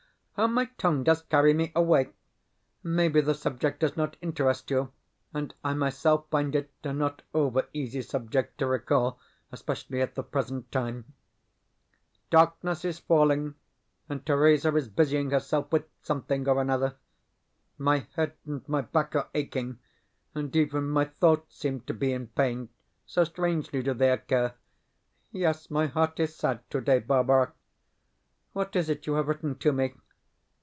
How my tongue does carry me away! Maybe the subject does not interest you, and I myself find it a not over easy subject to recall especially at the present time. Darkness is falling, and Theresa is busying herself with something or another. My head and my back are aching, and even my thoughts seem to be in pain, so strangely do they occur. Yes, my heart is sad today, Barbara.... What is it you have written to me?